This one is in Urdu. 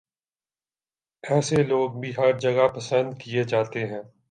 ایسے لوگ بھی ہر جگہ پسند کیے جاتے ہیں